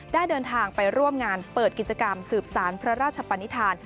ได้เดินทางไปร่วมงานเปิดกิจกรรมสืบสารพระราชปนิษฐาน